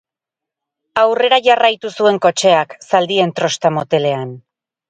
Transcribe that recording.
Aurrera jarraitu zuen kotxeak, zaldien trosta motelean.